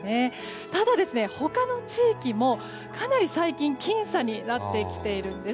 ただ、他の地域もかなり最近僅差になってきているんです。